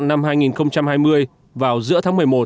năm hai nghìn hai mươi vào giữa tháng một mươi một